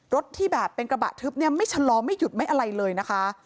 ที่แบบเป็นกระบะทึบเนี่ยไม่ชะลอไม่หยุดไม่อะไรเลยนะคะ